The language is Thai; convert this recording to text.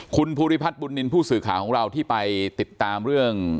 คุณภูริพัฒน์บุญนินทร์ผู้สื่อข่าวของเราที่ไปติดตามเรื่อง